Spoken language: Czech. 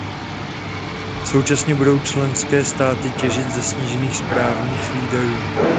Současně budou členské státy těžit ze snížených správních výdajů.